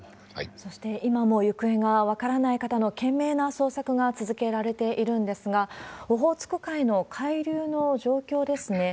そして、今も行方が分からない方の懸命な捜索が続けられているんですが、オホーツク海の海流の状況ですね。